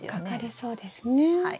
かかりそうですね。